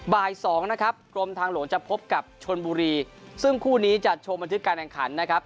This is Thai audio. บ่ายสองนะครับกรมทางหลวงจะพบกับชนบุรีซึ่งคู่นี้จะชมบันทึกการแข่งขันนะครับ